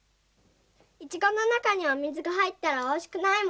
イチゴのなかにお水がはいったらおいしくないもんね。